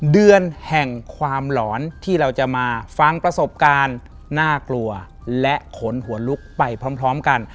เดือนแห่งความหลอนที่เราจะมาฟังประสบการณ์น่ากลัวและขนหัวลุกไปพร้อมกัน